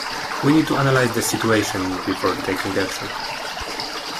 We need to analyse the situation before taking action.